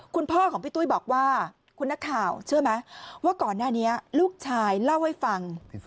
คุณพ่อของพี่ตุ้ยบอกว่าคุณนักข่าวเชื่อไหมว่าก่อนหน้านี้ลูกชายเล่าให้ฟัง